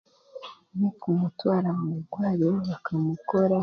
N'okumutwara omu irwariro bakamukoraho